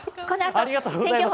ありがとうございます。